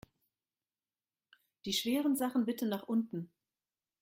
Die schweren Sachen bitte nach unten!